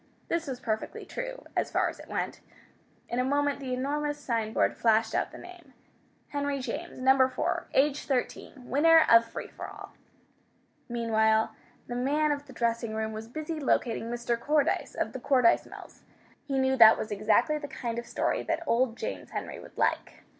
This was perfectly true, as far as it went. In a moment the enormous signboard flashed out the name: HENRY JAMES No. 4. AGE 13 WINNER OF FREE FOR ALL Meanwhile the man of the dressing room was busy locating Mr. Cordyce of the Cordyce Mills. He knew that was exactly the kind of story that old James Henry would like.